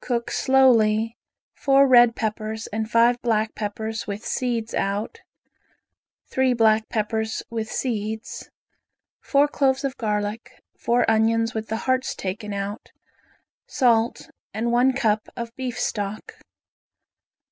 Cook slowly four red peppers and five black peppers with seeds out, three black peppers with seeds, four cloves of garlic, four onions with the hearts taken out, salt, and one cup of beef stock.